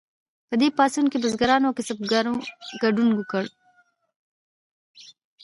په دې پاڅون کې بزګرانو او کسبګرو ګډون وکړ.